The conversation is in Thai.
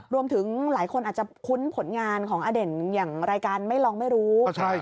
รวมถึงหลายคนอาจจะคุ้นผลงานของอเด่นอย่างรายการไม่ลองไม่รู้